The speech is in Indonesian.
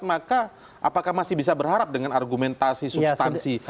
maka apakah masih bisa berharap dengan argumentasi substansi